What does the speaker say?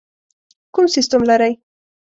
کوم سیسټم لرئ؟